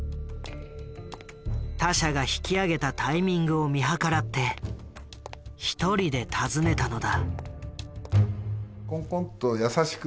他社が引きあげたタイミングを見計らって一人で訪ねたのだ。